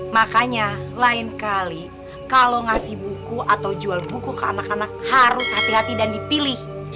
makanya lain kali kalau ngasih buku atau jual buku ke anak anak harus hati hati dan dipilih